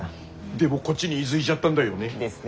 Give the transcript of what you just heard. でもこっちに居づいちゃったんだよね。